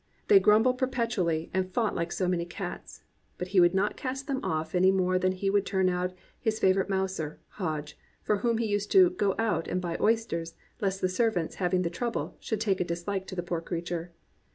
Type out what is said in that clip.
They grumbled i>erpetually and fought Uke so many cats. But he would not cast them off any more than he would turn out his favourite mouser, Hodge, for whom he used to "go out and buy oysters, lest the servants having that trouble should take a dislike to the poor creature."